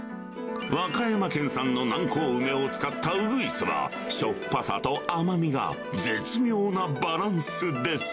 和歌山県産の南高梅を使った鶯は、しょっぱさと甘みが絶妙なバランスです。